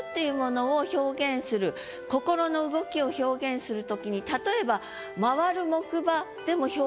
で心の動きを表現する時に例えば十分。